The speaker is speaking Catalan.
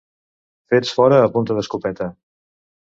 Fets fora a punta d'escopeta.